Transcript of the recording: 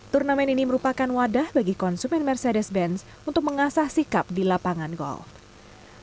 turnamen ini merupakan wadah bagi konsumen mercedes benz untuk mengasah sikap di lapangan golf